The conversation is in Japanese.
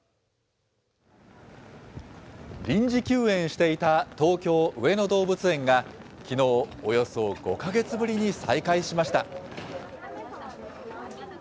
臨時休園していた東京・上野動物園が、きのう、およそ５か月ぶりに再開しました。